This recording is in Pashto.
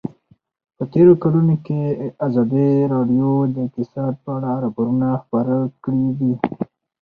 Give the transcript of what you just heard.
په تېرو کلونو کې ازادي راډیو د اقتصاد په اړه راپورونه خپاره کړي دي.